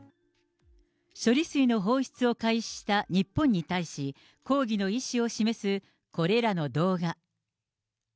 処理水の放出を開始した日本に対し、抗議の意思を示すこれらの動画。